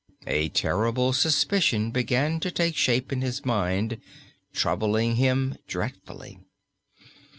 A terrible suspicion began to take shape in his mind, troubling him dreadfully.